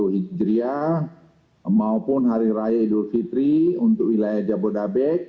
empat belas empat puluh satu hijriah maupun hari raya idul fitri untuk wilayah jabodabek